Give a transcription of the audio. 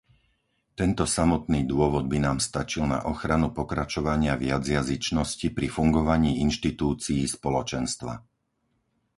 Tento samotný dôvod by nám stačil na ochranu pokračovania viacjazyčnosti pri fungovaní inštitúcií spoločenstva.